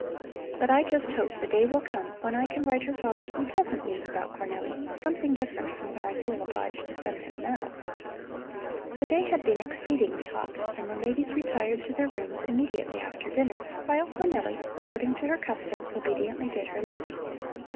"But I just hope that the day will come when I can write her father some pleasant news about Cornelli, something different from what I feel obliged to send him now." The day had been exceedingly hot, and the ladies retired to their rooms immediately after dinner, while Cornelli, according to her custom, obediently did her lessons.